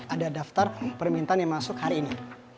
ada daftar permintaan yang masuk hari ini